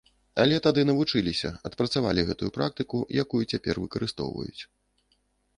Але тады навучыліся, адпрацавалі гэтую практыку, якую цяпер выкарыстоўваюць.